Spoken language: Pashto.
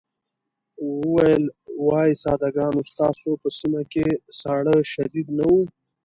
وویل وای ساده ګانو ستاسو په سيمه کې ساړه شديد نه وو.